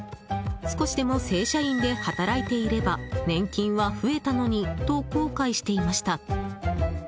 少しでも正社員で働いていれば年金は増えたのにと後悔していました。